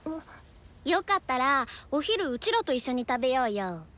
よかったらお昼うちらと一緒に食べようよ！